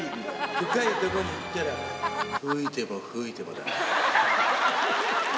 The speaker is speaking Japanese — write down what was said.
深い所に行ったら、吹いても吹いてもだ。